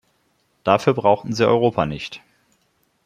Dafür brauchten sie Europa nicht.